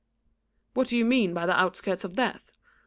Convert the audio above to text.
"What do you mean by the outskirts of death?"